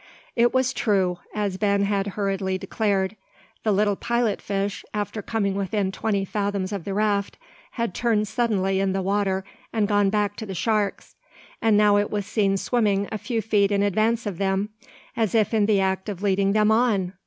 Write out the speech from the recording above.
It was true, as Ben had hurriedly declared. The little pilot fish, after coming within twenty fathoms of the raft, had turned suddenly in the water, and gone back to the sharks; and now it was seen swimming a few feet in advance of them, as if in the act of leading them on!